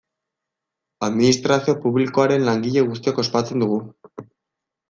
Administrazio publikoaren langile guztiok ospatzen dugu.